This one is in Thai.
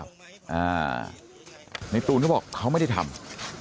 นายตูนก็บอกเขาไม่ได้ทำ